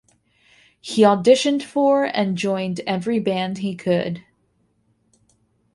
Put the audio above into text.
He auditioned for and joined every band he could.